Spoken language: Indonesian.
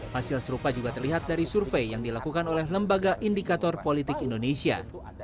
hasil serupa juga terlihat dari survei yang dilakukan oleh lembaga indikator politik indonesia